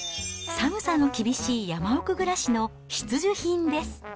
寒さの厳しい山奥暮らしの必需品です。